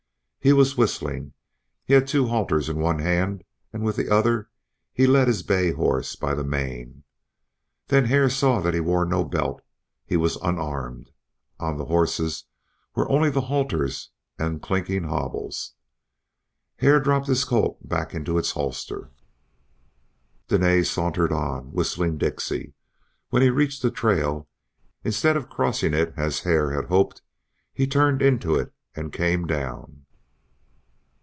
He was whistling; he had two halters in one hand and with the other he led his bay horse by the mane. Then Hare saw that he wore no belt; he was unarmed; on the horses were only the halters and clinking hobbles. Hare dropped his Colt back into its holster. Dene sauntered on, whistling "Dixie." When he reached the trail, instead of crossing it, as Hare had hoped, he turned into it and came down.